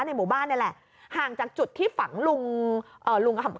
ในหมู่บ้านนี่แหละห่างจากจุดที่ฝังลุงเอ่อลุง